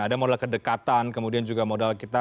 ada modal kedekatan kemudian juga modal kita